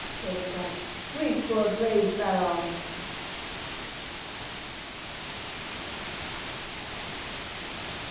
say the Franks, "Grief for a brave baron!"